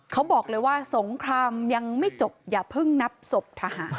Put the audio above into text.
เขาบอกเลยว่าสงครามยังไม่จบอย่าเพิ่งนับศพทหาร